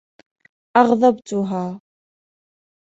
أغضبتها.